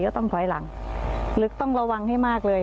เดี๋ยวต้องถอยหลังหรือต้องระวังให้มากเลย